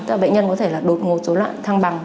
tức là bệnh nhân có thể là đột ngột số loạn thăng bằng